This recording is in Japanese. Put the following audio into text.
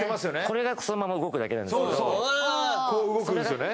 これがそのまま動くだけなんですけどこう動くんすよね